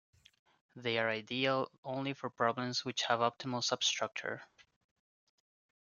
They are ideal only for problems which have 'optimal substructure'.